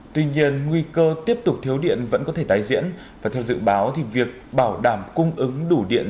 tuy nhiên nguy cơ tiếp tục thiếu điện vẫn có thể tái diễn và theo dự báo thì việc bảo đảm cung ứng đủ điện